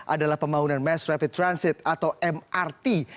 adalah pembangunan mass rapid transit atau mrt